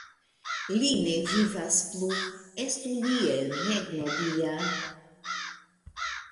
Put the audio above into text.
Li ne vivas plu, estu li en regno Dia!